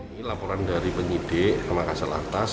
ini laporan dari penyidik ke makassar lantas